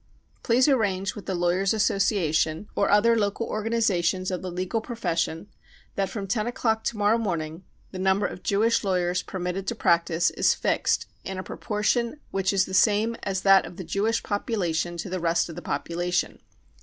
Please arrange with the Lawyers 5 Association or other local organisa tions of the legal profession that from 10 o'clock to morrow morning the number of Jewish lawyers per mitted to practise is fixed in a proportion which is the same as that of the Jewish population to the rest of the population.